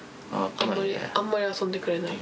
あんまり遊んでくれない。